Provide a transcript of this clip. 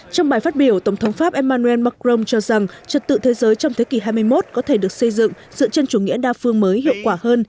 trong bài phát biểu tổng thống pháp emmanuel macron cho rằng trật tự thế giới trong thế kỷ hai mươi một có thể được xây dựng dựa trên chủ nghĩa đa phương mới hiệu quả hơn